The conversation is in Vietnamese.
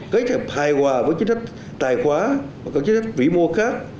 kế thập hài hòa với chính sách tài khoá và các chính sách vĩ mô khác